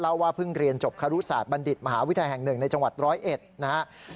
ว่าเพิ่งเรียนจบครุศาสตบัณฑิตมหาวิทยาลัยแห่ง๑ในจังหวัดร้อยเอ็ดนะครับ